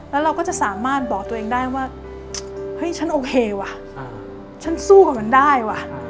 แล้วเราก็จะสามารถบอกตัวเองได้ว่าเฮ้ยฉันโอเคว่ะฉันสู้กับมันได้ว่ะ